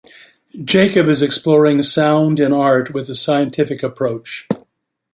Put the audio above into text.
Jacob is exploring sound in art with a scientific approach.